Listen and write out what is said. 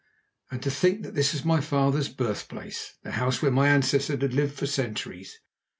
And to think that this was my father's birthplace, the house where my ancestors had lived for centuries!